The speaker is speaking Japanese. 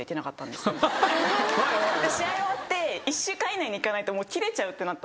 試合終わって１週間以内に行かないと切れちゃうってなったんですよ。